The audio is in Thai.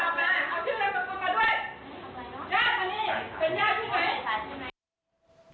ย่ามานี่เป็นย่าที่ไหน